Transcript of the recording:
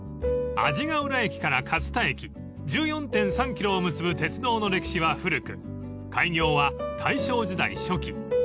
［阿字ヶ浦駅から勝田駅１４．３ｋｍを結ぶ鉄道の歴史は古く開業は大正時代初期］